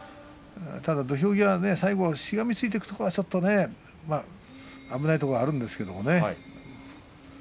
ただ土俵際、最後しがみついていくところはちょっと危ないところがあるんですがね。